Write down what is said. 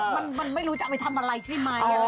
มันไม่รู้จะเอาไปทำอะไรใช่ไหม